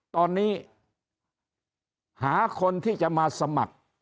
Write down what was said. ตอนนี้หาคนที่จะมาสมัคร